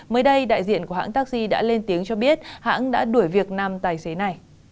mới đây đại diện của hãng taxi đã lên tiếng cho biết hãng đã đuổi việc năm tài xế này